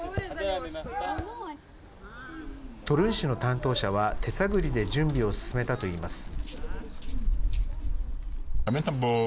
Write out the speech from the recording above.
トルン市の担当者は手探りで準備を進めたといいます。